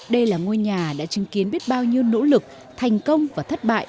đây là ngôi nhà đã chứng kiến biết bao nhiêu nỗ lực thành công và thất bại